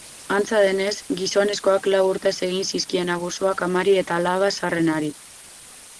Antza denez, gizonezkoak lau urtez egin zizkien abusuak amari eta alaba zaharrenari.